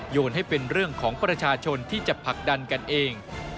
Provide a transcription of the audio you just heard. โยนให้เป็นเรื่องของประชาชนที่จะผลักดันกันเอง